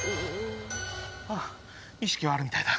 意識はあるみたいだ。